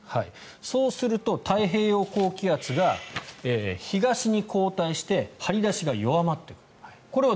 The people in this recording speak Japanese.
そうすると太平洋高気圧が東に後退して張り出しが弱まってくる。